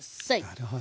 なるほど。